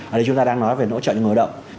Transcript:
ở đây chúng ta đang nói về hỗ trợ cho người lao động